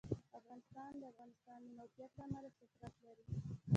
افغانستان د د افغانستان د موقعیت له امله شهرت لري.